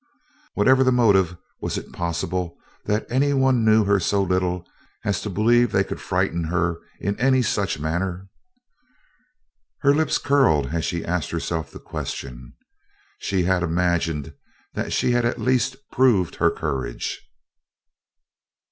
Whatever the motive, was it possible that any one knew her so little as to believe they could frighten her in any such manner? Her lip curled as she asked herself the question. She had imagined that she had at least proved her courage.